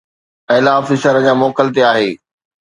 اعليٰ آفيسر اڃا موڪل تي آهي.